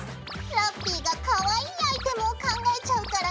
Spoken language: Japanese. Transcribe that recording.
ラッピィがかわいいアイテムを考えちゃうからね。